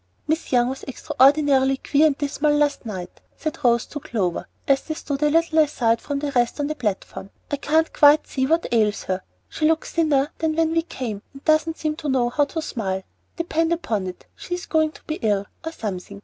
"Miss Young was extraordinarily queer and dismal last night," said Rose to Clover as they stood a little aside from the rest on the platform. "I can't quite see what ails her. She looks thinner than when we came, and doesn't seem to know how to smile; depend upon it she's going to be ill, or something.